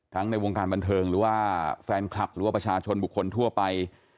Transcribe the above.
ในวงการบันเทิงหรือว่าแฟนคลับหรือว่าประชาชนบุคคลทั่วไป